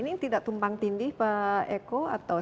ini tidak tumpang tindih pak eko atau